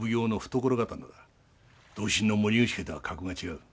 同心の森口家とは格が違う。